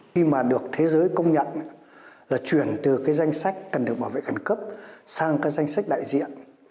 khi mà được thế giới công nhận là chuyển từ cái danh sách cần được bảo vệ khẩn cấp sang cái danh sách đại diện